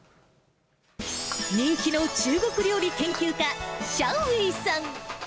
人気の中国料理研究家、シャウ・ウェイさん。